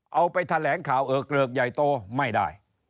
เอาไปแถลงข่าวเออเกริกใหญ่โตไม่ได้